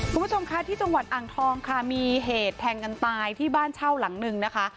คุณผู้ชมคะที่จังหวัดอ่างทองค่ะมีเหตุแทงกันตายที่บ้านเช่าหลังนึงนะคะ